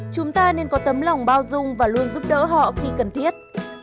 chúng ta nên có tấm lòng bao dung và luôn giúp đỡ họ khi cần thiết